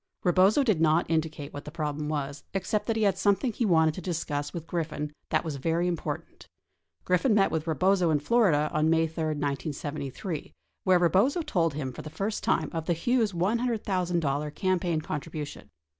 Rebozo did not indicate what the problem was except that he. had something he wanted to discuss with Griffin that was very im portant. Griffin met with Rebozo in Florida on May 3, 1973, where Rebozo told him for the first time of the Hughes $100,000 campaign contribution.